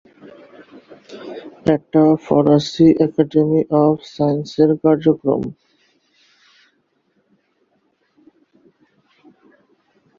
এটা ফরাসি academy of সায়েন্সের কার্যক্রম।